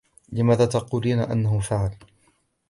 لماذا تقولين إنه فعل ؟